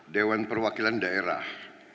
dewan perwakilan daerah